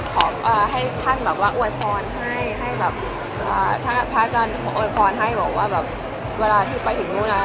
ก็เลยไปขอให้ท่านแบบว่าอวยพรให้ถ้าพระอาจารย์อวยพรให้บอกว่าเวลาที่ไปถึงโน้นนะ